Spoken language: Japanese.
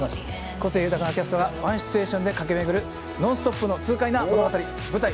個性豊かなキャストがワンシチュエーションで駆け巡るノンストップの痛快な物語舞台